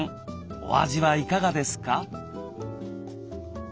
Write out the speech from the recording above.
お味はいかがですか？